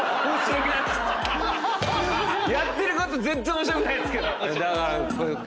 やってること全然面白くないっすけど。